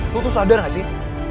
lo tuh sadar gak sih